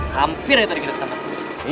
hampir ya tadi kita ketemu